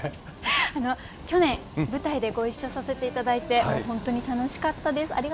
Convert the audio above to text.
去年舞台でご一緒させて頂いて本当に楽しかったです。